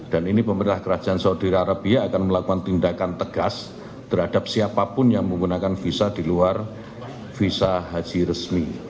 dan ini pemerintah kerajaan saudi arabia akan melakukan tindakan tegas terhadap siapapun yang menggunakan visa di luar visa haji resmi